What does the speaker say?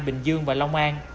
bình dương và long an